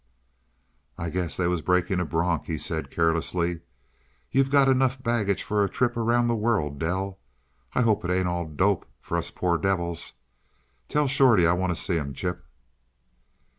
"I guess they was breaking a bronk," he said, carelessly; "you've got enough baggage for a trip round the world, Dell. I hope it ain't all dope for us poor devils. Tell Shorty I want t' see him, Chip."